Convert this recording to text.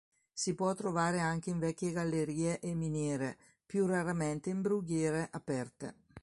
Si può trovare anche in vecchie gallerie e miniere, più raramente in brughiere aperte.